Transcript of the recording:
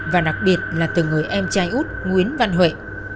và đặc biệt là từ người em trai út nguyễn văn huệ